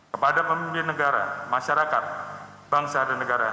kepada pemimpin negara masyarakat bangsa dan negara